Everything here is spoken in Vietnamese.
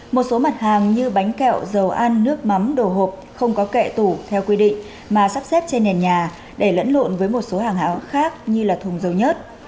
một số mặt hàng như bánh kẹo dầu ăn nước mắm đồ hộp không có kệ tủ theo quy định mà sắp xếp trên nền nhà để lẫn lộn với một số hàng áo khác như là thùng dầu nhớt